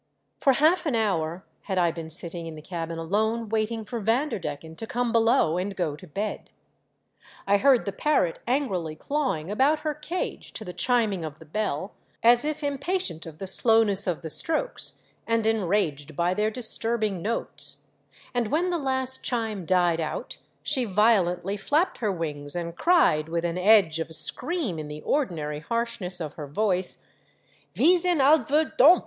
For half an nour had I been sitting in the cabin alone waiting for Vanderdecken to come below and rro to bed. MV POOR DARLTXG. 487 I heard the parrot angrily clawing about her cage to the chiminq of the bell, as if im patient of the slowness of the strokes and enraged by their disturbing notes ; and when the last chime died out she violently flapped her wings and cried, with an edge of scream in the ordinary harshness of her voice, *'Mv jvn al DcrDomD!"